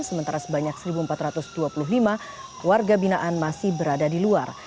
sementara sebanyak satu empat ratus dua puluh lima warga binaan masih berada di luar